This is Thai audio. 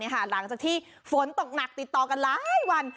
หลังจากที่ฝนตกหนักติดต่อกันหลายวัน